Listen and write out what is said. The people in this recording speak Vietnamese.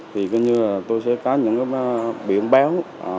thì tôi sẽ phát những biếng béo